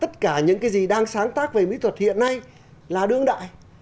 cái gì đang sáng tác về mỹ thuật hiện nay là đương đại